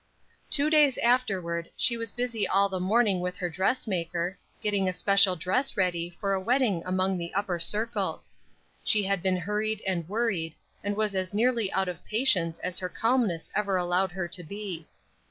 Two days afterward she was busy all the morning with her dressmaker, getting a special dress ready for a wedding among the upper circles. She had been hurried and worried, and was as nearly out of patience as her calmness ever allowed her to be.